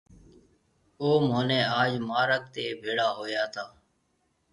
او مهوني آج مارگ تي ڀيڙا هويا تا۔